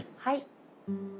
はい。